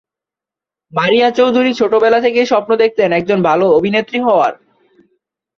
মারিয়া চৌধুরী ছোটবেলা থেকেই স্বপ্ন দেখতেন একজন ভালো অভিনেত্রী হওয়ার।